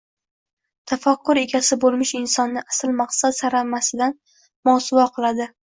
tafakkur egasi bo‘lmish insonni asl maqsad-samarasidan mosuvo qiladi.